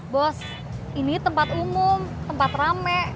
bos ini tempat umum tempat rame